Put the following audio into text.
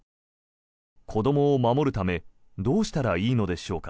子どもを守るためどうしたらいいのでしょうか。